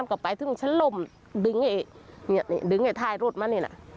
ดึงไอ้ทายลูดมานี่น่ะ